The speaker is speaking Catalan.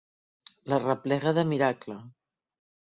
L'arreplega de miracle.